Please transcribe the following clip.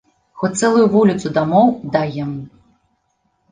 Хоць цэлую вуліцу дамоў дай яму.